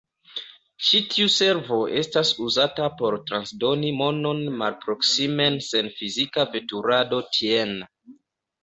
Ĉi tiu servo estas uzata por transdoni monon malproksimen sen fizika veturado tien.